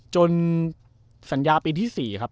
จนสัญญาปีที่๔ครับ